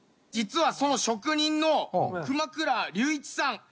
実はその職人の熊倉隆一さん。